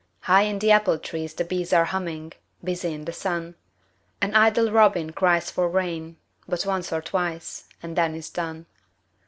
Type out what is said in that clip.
High in the apple trees the bees Are humming, busy in the sun, An idle robin cries for rain But once or twice and then is done.